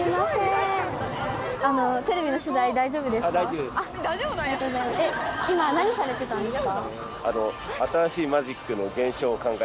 テレビの取材大丈夫ですか？